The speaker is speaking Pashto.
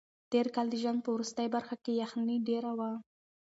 تېر کال د ژمي په وروستۍ برخه کې یخنۍ ډېره وه.